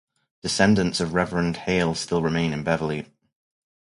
Descendants of Reverend Hale still remain in Beverly.